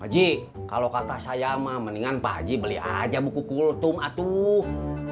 ji kalau kata saya mah mendingan pak haji beli aja buku kultum atuh